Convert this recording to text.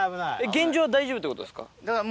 現状は大丈夫ってことですか？